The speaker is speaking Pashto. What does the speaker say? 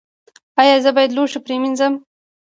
ایا زه باید لوښي پریمنځم؟